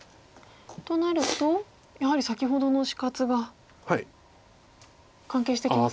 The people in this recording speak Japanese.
となるとやはり先ほどの死活が関係してきますか。